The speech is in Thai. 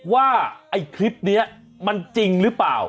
ว่าไอ้คลิปนี้มันจริงหรือเปล่า